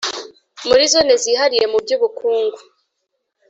muri Zone Zihariye mu by Ubukungu